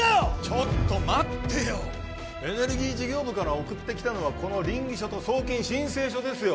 ちょっと待ってよエネルギー事業部から送ってきたのはこの稟議書と送金申請書ですよ